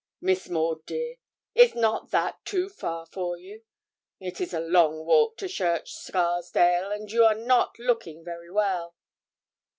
'Miss Maud, dear, is not that too far for you? It is a long walk to Church Scarsdale, and you are not looking very well.'